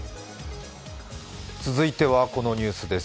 続いてはこのニュースです。